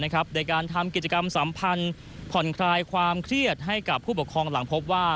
ในการทำกิจกรรมสัมพันธ์ผ่อนคลายความเครียดให้กับผู้ปกครองหลังพบว่า